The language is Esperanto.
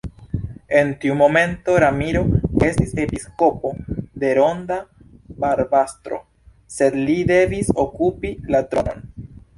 En tiu momento Ramiro estis episkopo de Roda-Barbastro, sed li devis okupi la tronon.